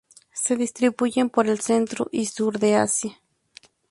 Se distribuyen por el centro y sur de Asia.